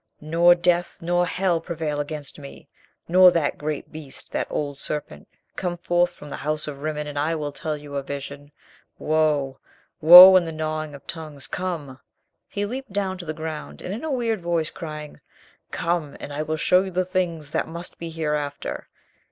Nor death nor hell prevail against me, nor that great beast, that old serpent. Come forth from the house of Rimmon and I will tell you a vision. Woe! Woe and the gnawing of tongues ! Come !" He leaped down to the ground, and in a weird voice crying, "Come, and I will show you the things that must be hereafter